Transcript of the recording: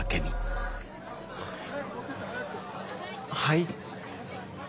はい？